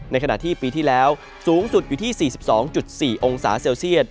ขณะที่ปีที่แล้วสูงสุดอยู่ที่๔๒๔องศาเซลเซียต